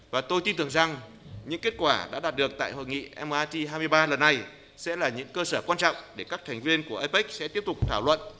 và tôi tin tưởng rằng những kết quả đã đạt được tại hội nghị mrt hai mươi ba lần này sẽ là những cơ sở quan trọng để các thành viên của apec sẽ tiếp tục thảo luận